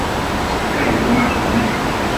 盖沃纳滕。